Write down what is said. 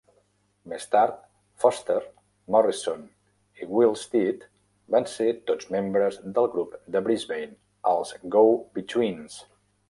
Més tard, Foster, Morrison i Willsteed van ser tots membres del grup de Brisbane, els Go-Betweens.